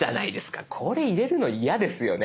これ入れるの嫌ですよね。